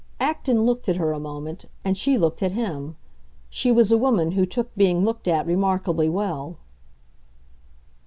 Acton looked at her a moment, and she looked at him. She was a woman who took being looked at remarkably well.